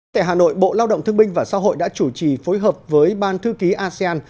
tại hà nội bộ lao động thương binh và xã hội đã chủ trì phối hợp với ban thư ký asean